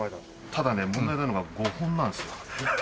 ただね問題なのが５本なんですよ。